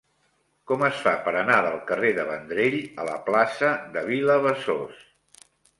Com es fa per anar del carrer de Vendrell a la plaça de Vilabesòs?